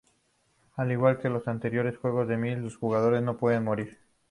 Al igual que en los anteriores juegos de Myst, los jugadores no pueden morir.